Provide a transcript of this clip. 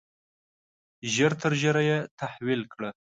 ژر تر ژره یې تحویل کړه.